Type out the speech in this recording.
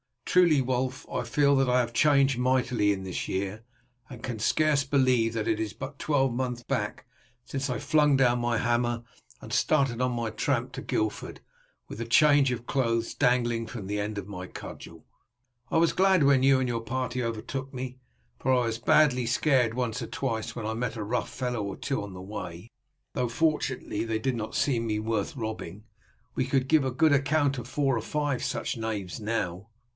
Truly, Wulf, I feel that I have changed mightily in this year, and can scarce believe that it is but a twelvemonth back since I flung down my hammer and started on my tramp to Guildford with a change of clothes dangling from the end of my cudgel. I was glad when you and your party overtook me, for I was badly scared once or twice when I met a rough fellow or two on the way, though, fortunately, they did not deem me worth robbing. We could give a good account of four or five of such knaves now."